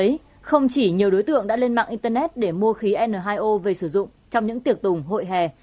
mà cũng có nhiều đối tượng đã lên mạng internet để mua khí n hai o về sử dụng trong những tiệc tùng hội hè